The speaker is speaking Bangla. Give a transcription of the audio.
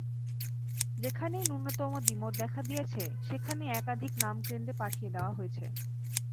যেখানেই ন্যূনতম দ্বিমত দেখা দিয়েছে, সেখানেই একাধিক নাম কেন্দ্রে পাঠিয়ে দেওয়া হয়েছে।